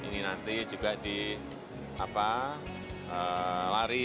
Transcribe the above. ini nanti juga di lari